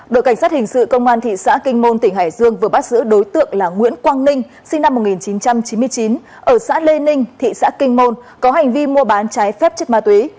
đội cảnh sát hình sự công an thị xã kinh môn tỉnh hải dương vừa bắt giữ đối tượng là nguyễn quang ninh sinh năm một nghìn chín trăm chín mươi chín ở xã lê ninh thị xã kinh môn có hành vi mua bán trái phép chất ma túy